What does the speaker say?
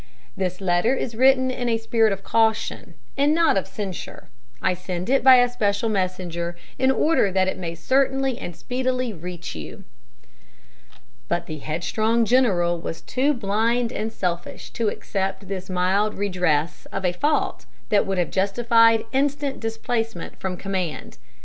"This letter is written in a spirit of caution, and not of censure. I send it by a special messenger, in order that it may certainly and speedily reach you." But the headstrong general was too blind and selfish to accept this mild redress of a fault that would have justified instant displacement from command.